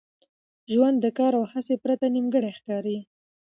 ژوند د کار او هڅي پرته نیمګړی ښکاري.